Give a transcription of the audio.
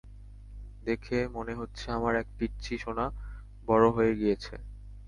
দেখে মনে হচ্ছে আমার এক পিচ্চি সোনা বড়ো হয়ে গিয়েছে।